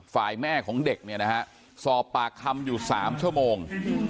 ฝ่ายแม่ของเด็กเนี่ยนะฮะสอบปากคำอยู่๓ชั่วโมง